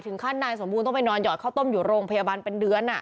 ถึงขั้นไหนสมบูรณ์ต้องไปนอนหย่อเข้าต้มอยู่โรงพยาบาลเป็นเดื้อน